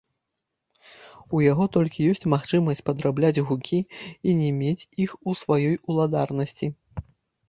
У яго толькі ёсць магчымасць падрабляць гукі, а не мець іх у сваёй уладарнасці.